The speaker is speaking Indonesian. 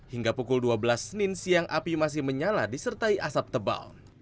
hingga pukul dua belas senin siang api masih menyala disertai asap tebal